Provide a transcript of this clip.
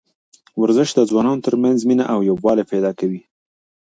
ورزش د ځوانانو ترمنځ مینه او یووالی پیدا کوي.